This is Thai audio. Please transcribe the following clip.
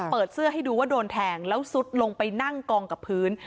เปิดเสื้อให้ดูว่าโดนแทงแล้วซุดลงไปนั่งกองกับพื้น